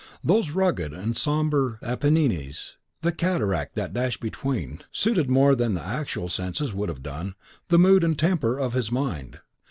Those rugged and sombre Apennines, the cataract that dashed between, suited, more than the actual scenes would have done, the mood and temper of his mind.